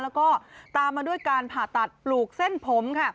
แล้วก็ตามมาด้วยการผ่าตัดปลูกเส้นผมค่ะ